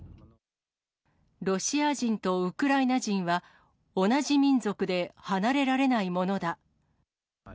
ロシア人とウクライナ人は同じ民族で、離れられないものだ。